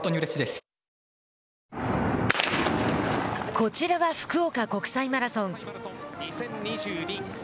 こちらは福岡国際マラソン。